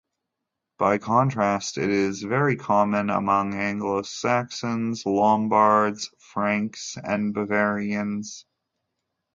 By contrast, it is very common among Anglo-Saxons, Lombards, Franks and Bavarians.